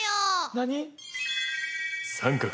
何？